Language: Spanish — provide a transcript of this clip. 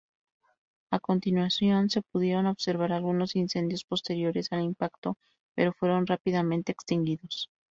A continuación se pudieron observar algunos incendios posteriores al impacto, pero fueron rápidamente extinguidos.